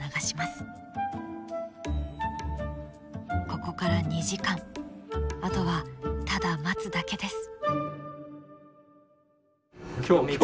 ここから２時間あとはただ待つだけです。